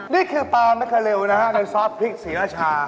นี่คือปลามะเขลวนะครับเป็นซอสพริกสีราชา